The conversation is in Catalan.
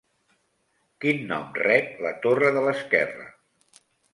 Quin nom rep la torre de l'esquerra?